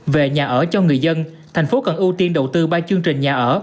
về nhà ở cho người dân thành phố cần ưu tiên đầu tư ba chương trình nhà ở